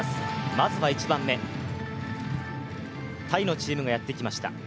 まずは１番目タイのチームがやってきました。